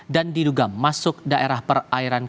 dan diduga masuk daerah perairan